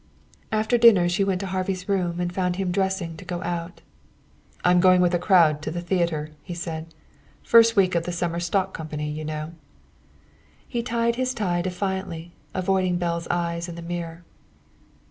After dinner she went to Harvey's room and found him dressing to go out. "I'm going with a crowd to the theater," he said. "First week of the summer stock company, you know." He tied his tie defiantly, avoiding Belle's eyes in the mirror.